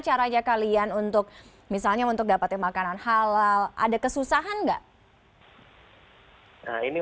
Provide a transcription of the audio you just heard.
caranya kalian untuk misalnya untuk dapetin makanan halal ada kesusahan enggak nah ini